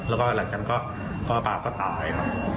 แล้วก็หลังจากนั้นก็พ่อตาก็ตายครับ